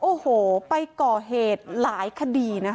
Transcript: โอ้โหไปก่อเหตุหลายคดีนะคะ